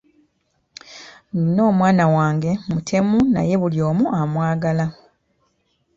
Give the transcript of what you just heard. Nnina omwana wange mutemu naye buli omu amwagala.